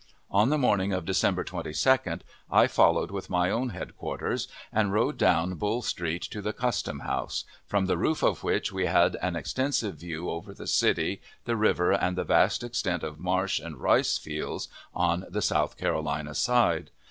On the morning of December 22d I followed with my own headquarters, and rode down Bull Street to the custom house, from the roof of which we had an extensive view over the city, the river, and the vast extent of marsh and rice fields on the South Carolina side.